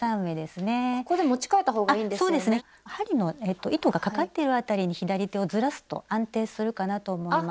針の糸がかかっているあたりに左手をずらすと安定するかなと思います。